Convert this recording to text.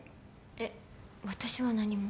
え私は何も。